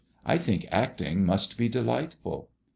I think acting must be delightful."